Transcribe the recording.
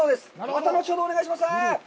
また後ほどお願いします。